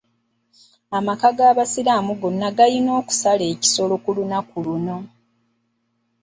Amaka g'abasiraamu gonna gayina okusala ekisolo ku lunaku luno.